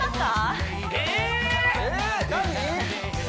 え何？